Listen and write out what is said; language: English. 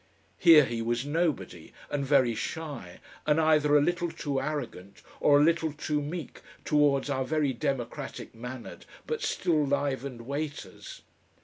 Here he was nobody, and very shy, and either a little too arrogant or a little too meek towards our very democratic mannered but still livened waiters.